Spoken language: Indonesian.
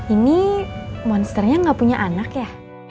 ini monsternya nggak punya anak ya